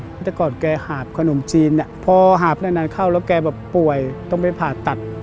ตั้งแต่ก่อนแกหาบขนมจีนพอหาบนานเข้าแล้วแกแบบป่วยต้องไปผ่าตัด